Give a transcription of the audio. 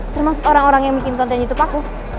termasuk orang orang yang bikin konten youtube aku